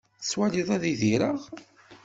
Tettwaliḍ ad idireɣ?